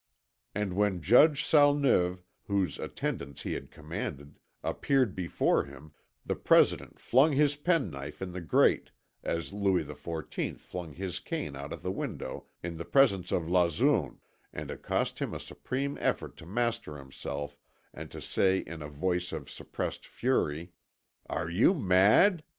And when Judge Salneuve, whose attendance he had commanded, appeared before him, the President flung his penknife in the grate, as Louis XIV flung his cane out of the window in the presence of Lauzun; and it cost him a supreme effort to master himself and to say in a voice of suppressed fury: "Are you mad?